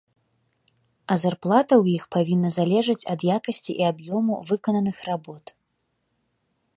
А зарплата ў іх павінна залежыць ад якасці і аб'ёму выкананых работ.